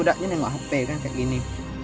udah nengok hp kan kayak gini